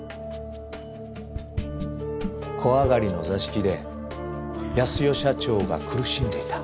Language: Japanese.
小上がりの座敷で康代社長が苦しんでいた。